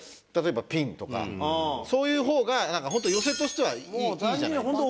例えばピンとかそういう方が本当寄席としてはいいじゃないですか。